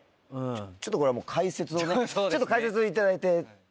ちょっとこれはもう解説をね解説いただいて。